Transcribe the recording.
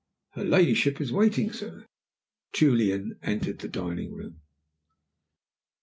"Her ladyship is waiting, sir." Julian entered the dining room.